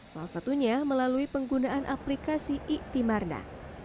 salah satunya melalui penggunaan aplikasi iktimarna